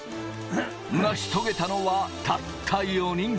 成し遂げたのはたった４人。